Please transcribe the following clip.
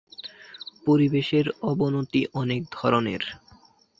পরিবেশের অবনতি অনেক ধরনের।